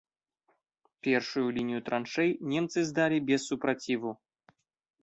Першую лінію траншэй немцы здалі без супраціву.